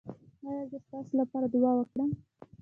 ایا زه ستاسو لپاره دعا وکړم؟